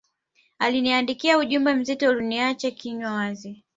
aliniandikia ujumbe mzito uliyoniacha kinywa wazi